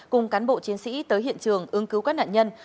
cùng cán bộ chiến sĩ tới hiện trường ứng cứu các nạn nhân